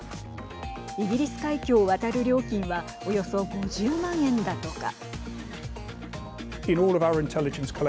イギリス海峡を渡る料金はおよそ５０万円だとか。